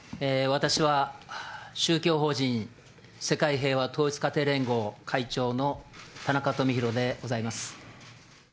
私は宗教法人世界平和統一家庭連合会長の田中富広でございます。